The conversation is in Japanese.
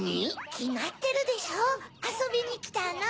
きまってるでしょあそびにきたの。